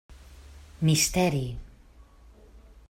Misteri.